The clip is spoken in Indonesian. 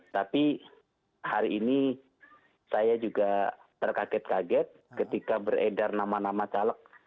tapi hari ini saya juga terkaget kaget ketika beredar nama nama caleg